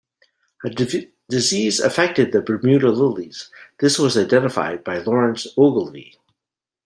A disease affected the Bermuda lilies: this was identified by Lawrence Ogilvie.